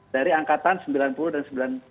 dari angkatan sembilan puluh dan sembilan puluh